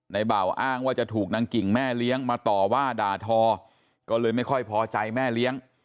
บ่าวอ้างว่าจะถูกนางกิ่งแม่เลี้ยงมาต่อว่าด่าทอก็เลยไม่ค่อยพอใจแม่เลี้ยง